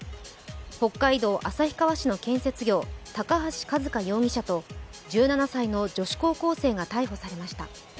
北海道旭川市の建設業、高橋一風容疑者と１７歳の女子高校生が逮捕されました。